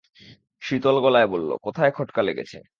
শীতল গলায় বলল, কোথায় খটকা লেগেছে?